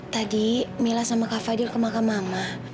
tadi mila sama kak fadil ke makam mama